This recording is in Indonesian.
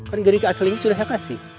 ini aslinya sudah saya kasih